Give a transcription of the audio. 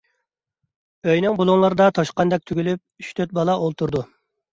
ئۆينىڭ بۇلۇڭلىرىدا توشقاندەك تۈگۈلۈپ ئۈچ-تۆت بالا ئولتۇرىدۇ.